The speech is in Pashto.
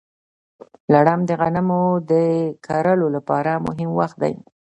لړم د غنمو د کرلو لپاره مهم وخت دی.